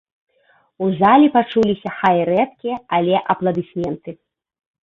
У зале пачуліся хай рэдкія, але апладысменты.